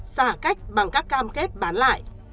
giả cách bằng các cam kép bán lại